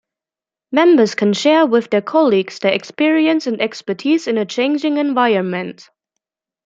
Members can share with their colleagues their experience and expertise in a changing environment.